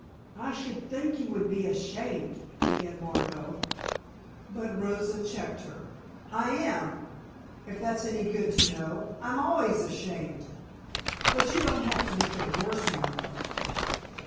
"I should think you would be ashamed " began Margot, but Rosa checked her. "I am, if that's any good to know. I'm always ashamed, but you don't have to make it worse, Margot."